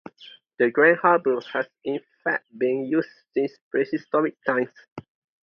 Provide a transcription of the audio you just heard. The Grand Harbour has in fact been used since prehistoric times.